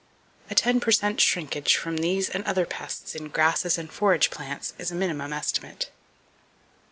"A ten per cent shrinkage from these and other pests in grasses and forage plants is a minimum estimate."